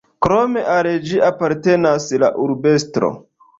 Krome al ĝi apartenas la urbestro.